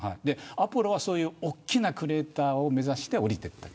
アポロは大きなクレーターを目指して降りていった。